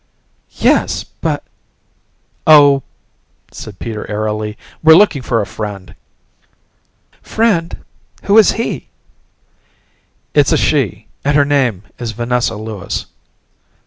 "Yes ... but " "Oh," said Peter airily, "we're looking for a friend." "Friend? Who is he?" "It's a she and her name is Vanessa Lewis."